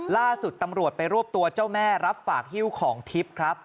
ล่าสุดตำรวจไปรวบตัวเจ้าแม่รับฝากฮิ้วของทิพย์ครับ